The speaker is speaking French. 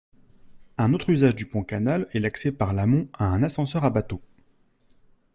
Un autre usage du pont-canal est l'accès par l'amont à un ascenseur à bateaux.